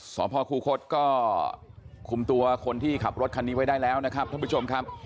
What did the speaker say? สพคูคศก็คุมตัวคนที่ขับรถคันนี้ไว้ได้แล้วนะครับท่านผู้ชมครับ